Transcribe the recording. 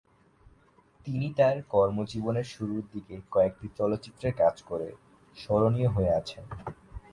তিনি তার কর্মজীবনের শুরুর দিকে কয়েকটি চলচ্চিত্রে কাজ করে স্মরণীয় হয়ে আছেন।